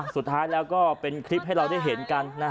สุดท้ายแล้วก็เป็นคลิปให้เราได้เห็นกัน